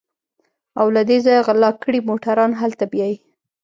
او له دې ځايه غلا کړي موټران هلته بيايي.